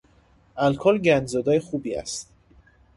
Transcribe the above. الکل گندزدای خوبی است.